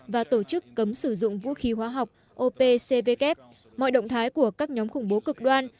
và tổ chức cấm sử dụng vũ khí hóa học opcvk mọi động thái của các nhóm khủng bố cực đoan